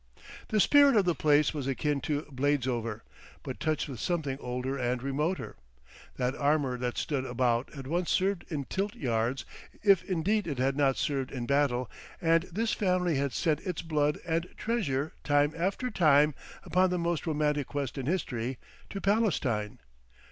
The spirit of the place was akin to Bladesover, but touched with something older and remoter. That armour that stood about had once served in tilt yards, if indeed it had not served in battle, and this family had sent its blood and treasure, time after time, upon the most romantic quest in history, to Palestine.